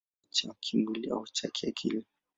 Kipaji kinaweza kuwa cha kimwili au cha kiakili.